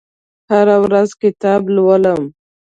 هره ورځ کتاب لولم